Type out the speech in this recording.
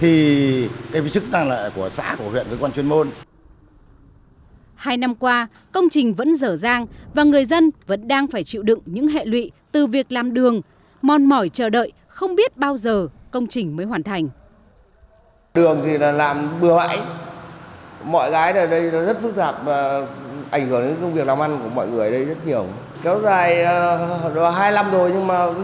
hai năm qua công trình vẫn dở dang và người dân vẫn đang phải chịu đựng những hệ lụy từ việc làm đường mòn mỏi chờ đợi không biết bao giờ công trình mới hoàn thành